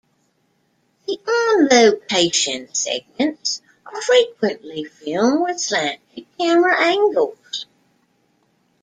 The on-location segments are frequently filmed with slanted camera angles.